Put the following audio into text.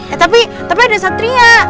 eh tapi ada satria